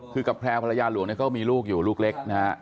คือกับแพลวภรรยาหลวงเนี่ยเขามีลูกอยู่ลูกเล็กนะฮะ